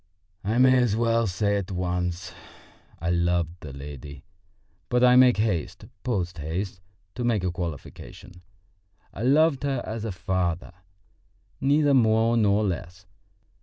I may as well say at once, I loved the lady, but I make haste post haste to make a qualification. I loved her as a father, neither more nor less.